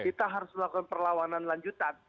kita harus melakukan perlawanan lanjutan